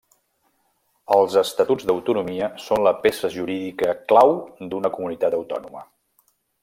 Els estatuts d'autonomia són la peça jurídica clau d'una comunitat autònoma.